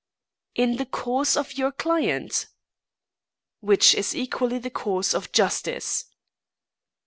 "In the cause of your client!" "Which is equally the cause of justice."